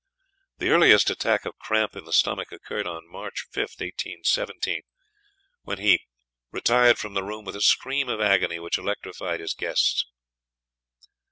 The earliest attack of cramp in the stomach occurred on March 5, 1817, when he "retired from the room with a scream of agony which electrified his guests."